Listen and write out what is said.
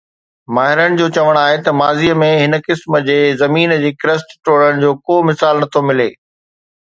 ماهرن جو چوڻ آهي ته ماضيءَ ۾ هن قسم جي زمين جي ڪرسٽ ٽوڙڻ جو ڪو مثال نه ٿو ملي